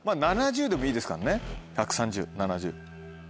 ７０でもいいですからね１３０７０。